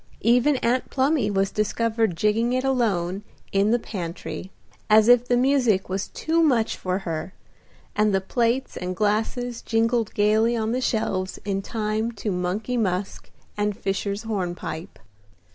Even Aunt Plumy was discovered jigging it alone in the pantry, as if the music was too much for her, and the plates and glasses jingled gaily on the shelves in time to Money Musk and Fishers' Hornpipe.